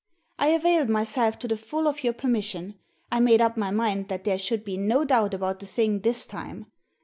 I availed myself to the full of your permission. I made up my mind that there should be no doubt about the thing this time.